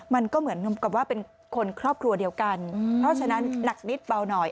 มันก็เหมือนกับว่าเป็นคนครอบครัวเดียวกันเพราะฉะนั้นหนักนิดเบาหน่อย